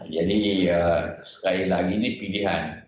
jadi sekali lagi ini pilihan